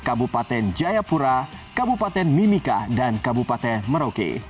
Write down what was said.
kabupaten jayapura kabupaten mimika dan kabupaten merauke